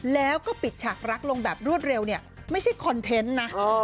แล้วก็ปิดฉากรักลงแบบรวดเร็วเนี่ยไม่ใช่คอนเทนต์นะ